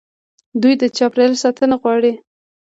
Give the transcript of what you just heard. دوی د چاپیریال ساتنه غواړي.